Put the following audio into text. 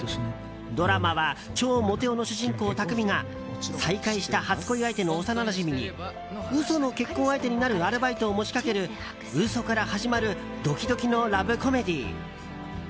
ドラマは超モテ男の主人公・匠が再会した初恋相手の幼なじみに嘘の結婚相手になるアルバイトを持ち掛ける嘘から始まるドキドキのラブコメディー。